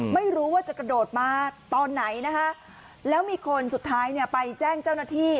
ไม่รู้ว่าจะกระโดดมาตอนไหนนะคะแล้วมีคนสุดท้ายเนี่ยไปแจ้งเจ้าหน้าที่